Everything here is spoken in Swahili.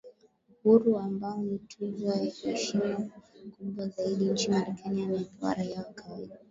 Uhuru ambayo ni tuzo ya heshima kubwa zaidi nchi Marekani anayopewa raia wa kawaida